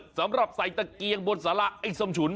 จำนวด๙๙๙ดอกบ่งบอกความคิด